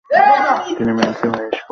তিনি Madison high স্কুলে পড়াশোনা করেন।